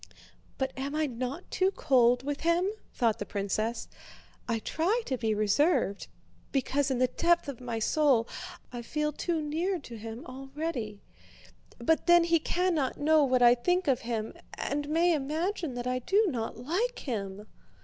"But am I not too cold with him?" thought the princess. "I try to be reserved because in the depth of my soul I feel too near to him already, but then he cannot know what I think of him and may imagine that I do not like him."